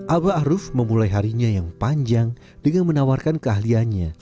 abah aruf memulai harinya yang panjang dengan menawarkan keahliannya